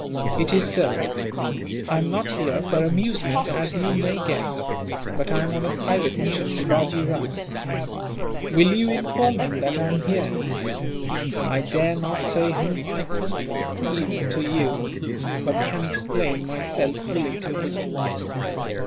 "It is so. I am not here for amusement, as you may guess; but am on a private mission to Bajee Rao. Will you inform him that I am here? I dare not say whom I come from, even to you; but can explain myself fully to him."